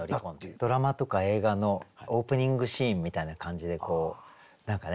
ドラマとか映画のオープニングシーンみたいな感じで何かね